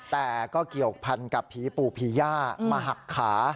แต่ก็เกี่ยวพันกับผีปู่ผีย่ามาหักขา